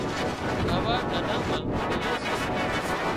کاوا ڏلا مان ميلي سي